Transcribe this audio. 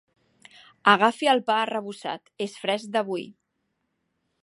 Agafi el pa arrebossat, és fresc d'avui.